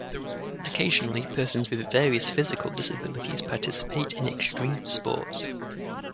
Occasionally persons with various physical disabilities participate in extreme sports.